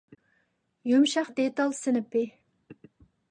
يۇمشاق دېتال سىنىپى